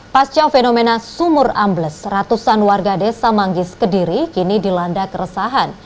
pasca fenomena sumur ambles ratusan warga desa manggis kediri kini dilanda keresahan